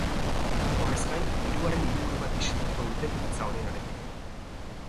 Horrez gain hirugarren hiriburu bat bisitatuko dute pizza onenaren bila.